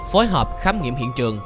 phối hợp khám nghiệm hiện trường